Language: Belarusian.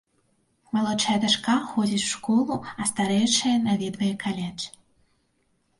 Малодшая дачка ходзіць у школу, а старэйшая наведвае каледж.